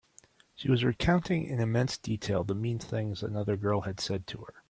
She was recounting in immense detail the mean things another girl had said to her.